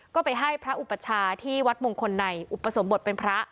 ก็ไปให้พระอุปชาที่วัดมงคลในอุปสมบทเป็นพระ